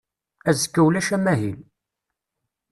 Azekka ulac amahil.